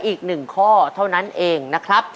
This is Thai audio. อีก๑ข้อเท่านั้นเองนะครับ